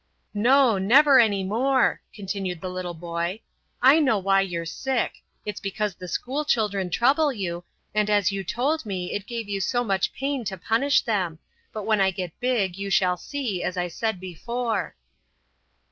"No, never any more," continued the little boy, "I know why you're sick. It's because the school children trouble you, and as you told me it gave you so much pain to punish them, but when I get big you shall see, as I said before."